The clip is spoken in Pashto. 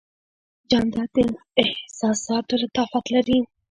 جانداد د احساساتو لطافت لري.